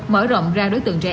mở rộng ra đối tượng trẻ em